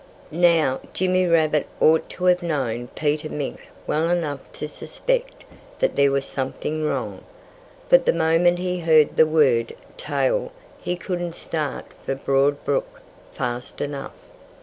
Now, Jimmy Rabbit ought to have known Peter Mink well enough to suspect that there was something wrong. But the moment he heard the word "tail" he couldn't start for Broad Brook fast enough.